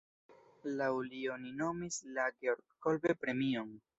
Laŭ li oni nomis la Georg-Kolbe-premion.